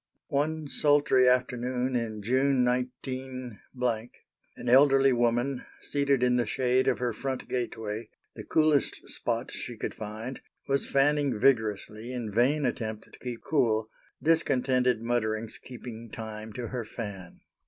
* One sultry afternoon in June, 19—, an elderly woman. seated in the shade of her front gateway, the coolest spot she could find, was fanning vigorously in vain attempt to keep cool, discontented mutterings keeping time to her fan.